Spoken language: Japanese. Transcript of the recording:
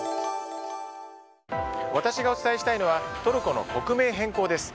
私がお伝えしたいのはトルコの国名変更です。